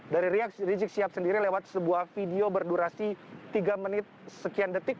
dari rizik sihab sendiri lewat sebuah video berdurasi tiga menit sekian detik